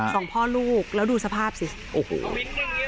สองพ่อลูกแล้วดูสภาพสิโอ้โห